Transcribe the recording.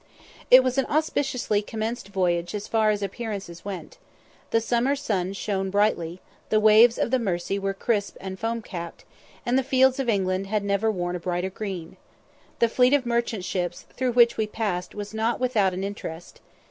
It was an auspiciously commenced voyage as far as appearances went. The summer sun shone brightly the waves of the Mersey were crisp and foam capped and the fields of England had never worn a brighter green. The fleet of merchant ships through which we passed was not without an interest.